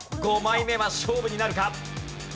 ５枚目は勝負になるか？